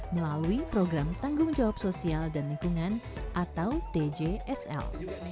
melalui program tanggung jawab sosial dan lingkungan atau tjsl